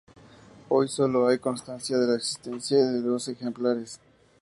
Hoy sólo hay constancia de la existencia de dos ejemplares.